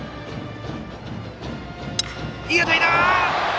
いい当たりだ！